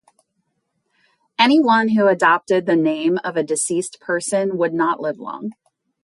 Anyone who adopted the name of a deceased person would not live long.